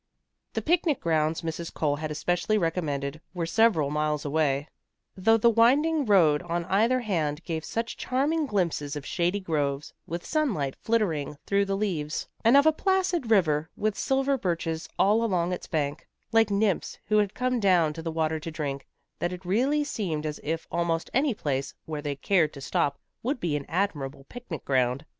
The picnic grounds Mrs. Cole had especially recommended were several miles away, though the winding road on either hand gave such charming glimpses of shady groves, with sunlight filtering through the leaves, and of a placid river, with silver birches all along its bank, like nymphs who had come down to the water to drink, that it really seemed as if almost any place where they cared to stop would be an admirable picnic ground.